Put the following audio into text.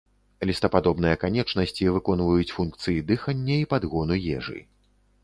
Лістападобныя канечнасці выконваюць функцыі дыхання і падгону ежы.